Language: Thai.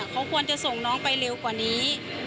เขาควรจะส่งน้องไปเร็วกว่านี้